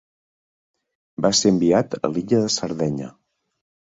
Va ser enviat a l'illa de Sardenya.